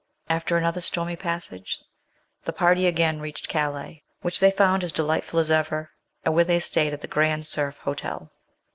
After another stormy passage the party again reached Calais, which they found as delightful as ever, and where they stayed at the Grand Cerf Hotel.